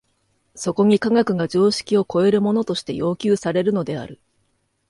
そこに科学が常識を超えるものとして要求されるのである。